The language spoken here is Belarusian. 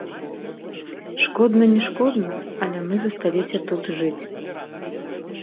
Шкодна не шкодна, але мы засталіся тут жыць.